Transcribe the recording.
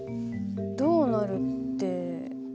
どうなるって。